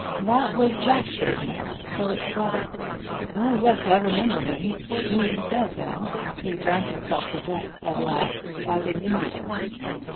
"That was Jack Berdmore, Philip's brother. Oh yes, I remember him. He's dead now. He drank himself to death at last, out in India."